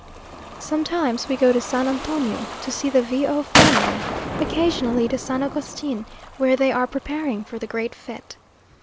Sometimes we go to San Antonio to see the V o family; occasionally to San Agustin, where they are preparing for the great fête.